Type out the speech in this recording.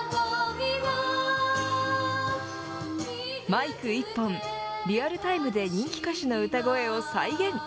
マイク一本リアルタイムで人気歌手の歌声を再現。